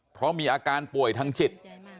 เพราะมีอาการป่วยทางจิต